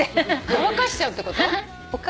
乾かしちゃうってこと？